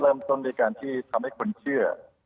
เริ่มต้นด้วยการที่ทำให้คนเชื่อ